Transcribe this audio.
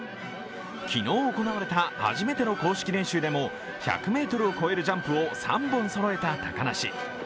昨日行われた初めての公式練習でも１００ｍを超えるジャンプを３本そろえた高梨。